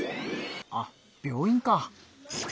あっ病院か。